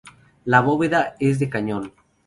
La bóveda es de cañón.